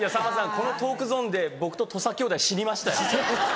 このトークゾーンで僕と土佐兄弟死にましたよ。